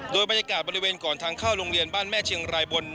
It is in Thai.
โดยบรรยากาศบริเวณก่อนทางเข้าโรงเรียนบ้านแม่เชียงรายบน